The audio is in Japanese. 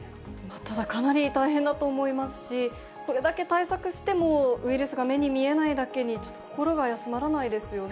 ただ、かなり大変だと思いますし、これだけ対策しても、ウイルスが目に見えないだけに、ちょっと心が休まらないですよね。